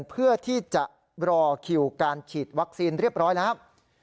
เพื่อที่จะรอคิวการฉีดวัคซีนเรียบร้อยแล้ว